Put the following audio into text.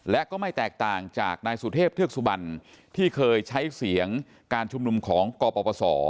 และก็ไม่แตกต่างจากนายสุเทพเทือกสุบันที่เคยใช้เสียงการชุมนุมของกปศ